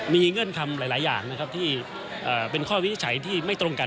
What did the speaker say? มีเงื่อนคำหลายอย่างนะครับที่เป็นข้อวินิจฉัยที่ไม่ตรงกัน